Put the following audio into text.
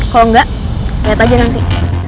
kalau enggak lihat aja nanti